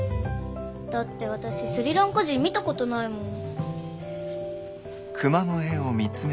だって私スリランカ人見たことないもん。